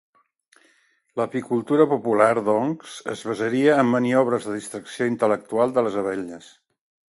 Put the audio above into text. L'apicultura popular, doncs, es basaria en maniobres de distracció intel·lectual de les abelles.